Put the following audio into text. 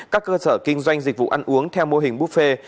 các cơ sở kinh doanh dịch vụ ăn uống theo mô hình buffet